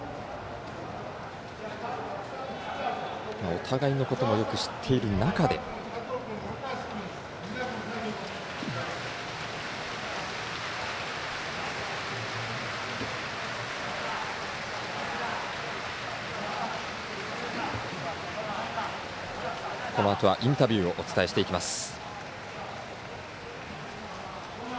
お互いのこともよく知っている中でこのあとはインタビューをお伝えしていきます。